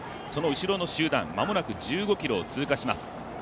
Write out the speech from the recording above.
後ろの集団、間もなく１５ｋｍを通過します。